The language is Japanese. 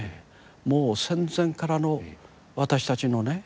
もう戦前からの私たちのね